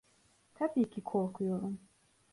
Tabii ki korkuyorum.